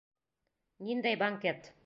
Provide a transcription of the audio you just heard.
Ниндәй банкет?